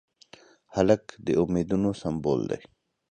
هلک د امیدونو سمبول دی.